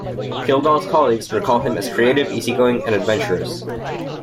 Kildall's colleagues recall him as creative, easygoing, and adventurous.